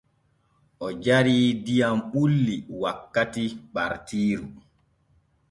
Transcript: O jarii diyam bulli wakkati ɓartiiru.